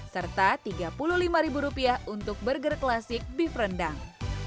serta rp tiga puluh lima untuk burger klasik beef rendang